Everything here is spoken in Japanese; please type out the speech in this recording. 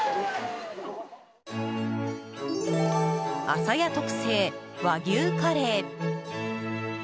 あさや特製、和牛カレー。